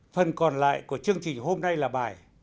phần còn lại của chương trình hôm nay là bài